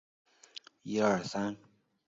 列车由南车株洲电力机车有限公司制造。